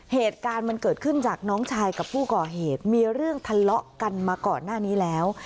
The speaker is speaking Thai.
เหตุการณ์มันเกิดขึ้นจากน้องชายกับผู้ก่อเหตุมีเรื่องทะเลาะกันมาก่อนหน้านี้แล้ว